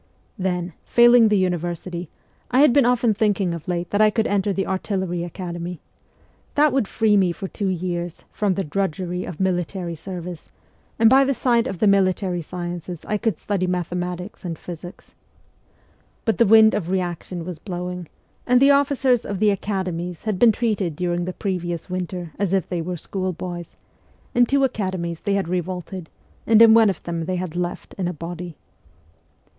Then, failing the university, I had been often thinking of late that I could enter the Artillery Academy. That would free me for two years from the drudgery of military service, and by the side of the military sciences I could study mathematics and physics. But the wind of reaction was blowing, and the officers of the academies had been treated during the previous winter as if they were schoolboys ; in two academies they had revolted, and in one of them they had left in a body.